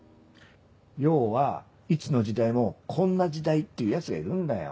要はいつの時代も「こんな時代」って言うヤツがいるんだよ。